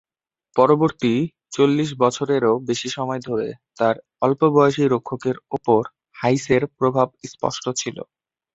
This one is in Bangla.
পরবর্তী চল্লিশ বছরেরও বেশি সময় ধরে, তার অল্পবয়সি রক্ষকের ওপর হ্যাইসের প্রভাব স্পষ্ট ছিল।